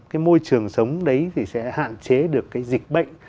cái môi trường sống đấy thì sẽ hạn chế được cái dịch bệnh